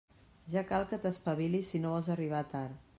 Ja cal que t'espavilis si no vols arribar tard.